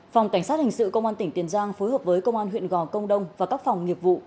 phòng cảnh sát hình sự công an tỉnh tiền giang phối hợp với công an huyện gò công đông và các phòng nghiệp vụ